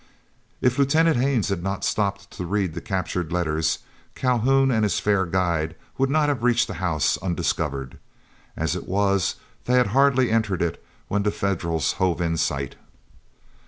If Lieutenant Haines had not stopped to read the captured letters, Calhoun and his fair guide would not have reached the house undiscovered. As it was, they had hardly entered it when the Federals hove in sight.